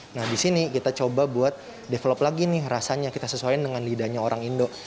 nah di sini kita coba buat develop lagi nih rasanya kita sesuaikan dengan lidahnya orang indo